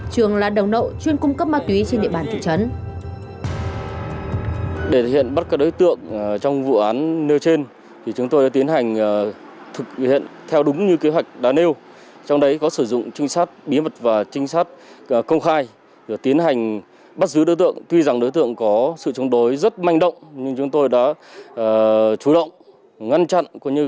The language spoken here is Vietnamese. trường là đồng nậu chuyên cung cấp ma túy trên địa bàn thị trấn